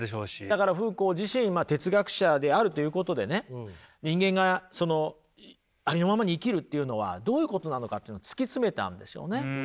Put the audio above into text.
だからフーコー自身哲学者であるということでね人間がありのままに生きるというのはどういうことなのかというのを突き詰めたんですよね。